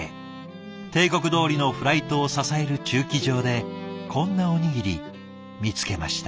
定刻どおりのフライトを支える駐機場でこんなおにぎり見つけました。